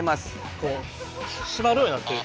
こうしまるようになってる。